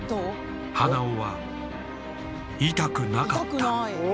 鼻緒は痛くなかった。